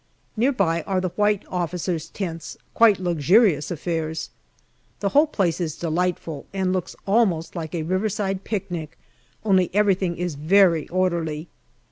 Near by are the white officers' tents, quite luxurious affairs. The whole place is delightful and looks almost like a river side picnic, only everything is very orderly.